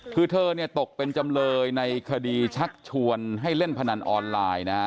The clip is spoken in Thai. คือเธอเนี่ยตกเป็นจำเลยในคดีชักชวนให้เล่นพนันออนไลน์นะฮะ